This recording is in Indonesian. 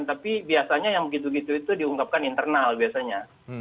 tapi biasanya yang begitu begitu itu diungkapkan internal biasanya